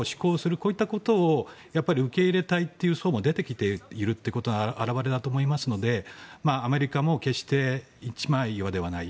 こういったことを受け入れたい層も出てきているということの表れだと思いますのでアメリカも決して一枚岩ではない。